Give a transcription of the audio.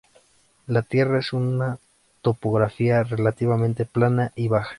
La tierra es una topografía relativamente plana y baja.